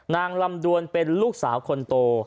นางลำดวนเป็นลูกสาวคนโต